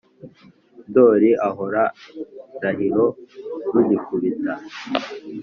ndoli ahora ndahiro rugikubita